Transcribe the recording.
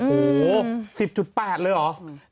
โอ้โห๑๐๘เลยเหรอ